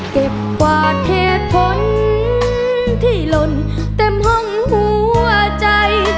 เก็บกวาดเหตุผลที่หล่นเต็มห้องหัวใจ